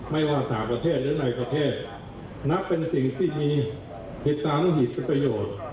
นับเป็นสิ่งที่มีเหตุตามหิตประโยชน์